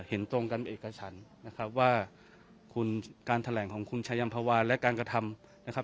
เห็นตรงกันเอกฉันนะครับว่าคุณการแถลงของคุณชายัมภาวาและการกระทำนะครับ